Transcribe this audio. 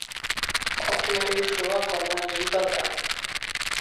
Ɔ klɛli fluwa ko mannin i baba.